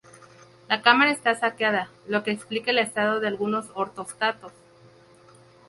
La cámara está saqueada, lo que explica el estado de algunos ortostatos.